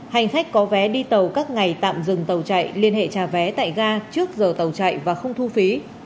hành khách có vé đi tàu các ngày tạm dừng tàu chạy liên hệ trả vé tại ga trước giờ tàu chạy và không thu phí